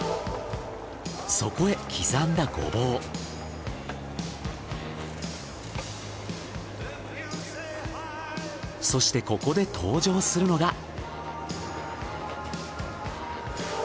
そこへ刻んだそしてここで登場するのが。